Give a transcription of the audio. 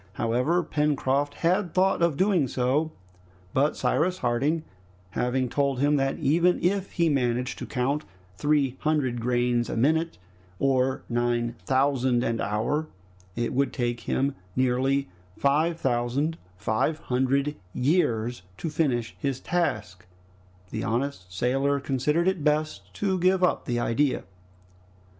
However, Pencroft had thought of doing so, but Cyrus Harding having told him that even if he managed to count three hundred grains a minute, or nine thousand an hour, it would take him nearly five thousand five hundred years to finish his task, the honest sailor considered it best to give up the idea.